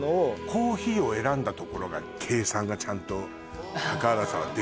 コーヒーを選んだところが計算がちゃんと原さんはできてる。